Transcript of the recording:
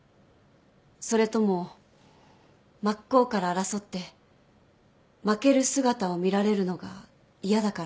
それとも真っ向から争って負ける姿を見られるのが嫌だから？